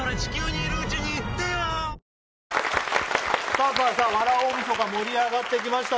さあさあ、笑う大晦日盛り上がってきました。